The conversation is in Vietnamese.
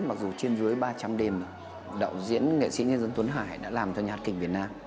mặc dù trên dưới ba trăm linh đêm mà đạo diễn nghệ sĩ nhân dân tuấn hải đã làm cho nhà hát kịch việt nam